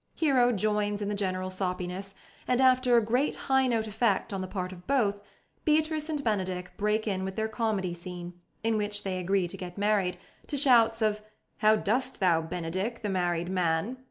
Hero joins in the general soppiness, and, after a great high note effect on the part of both, Beatrice and Benedick break in with their comedy scene, in which they agree to get married, to shouts of "How dost thou, Benedick, the married man!"